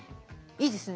いいですね。